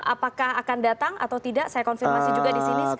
apakah akan datang atau tidak saya konfirmasi juga di sini